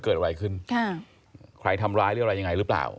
เกิดอะไรขึ้นค่ะใครทำร้ายหรืออะไรยังไงหรือเปล่า